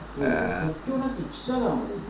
国境なき記者団はですね